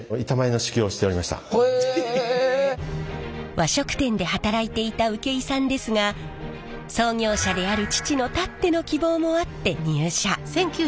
和食店で働いていた請井さんですが創業者である父のたっての希望もあって入社。